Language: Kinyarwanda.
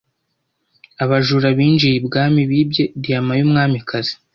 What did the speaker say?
Abajura binjiye ibwami bibye diyama yumwamikazi.